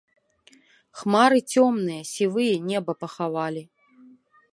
Хмары цёмныя, сівыя неба пахавалі.